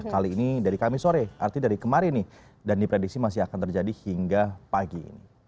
kali ini dari kami sore artinya dari kemarin nih dan diprediksi masih akan terjadi hingga pagi ini